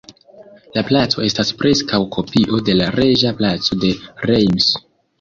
La placo estas preskaŭ kopio de la Reĝa Placo de Reims.